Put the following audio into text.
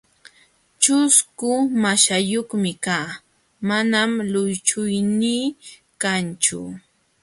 ćhusku maśhayuqmi kaa, manam llunchuynii kanchu.